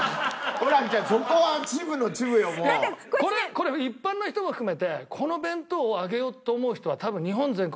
これ一般の人も含めてこの弁当を上げようと思う人は多分。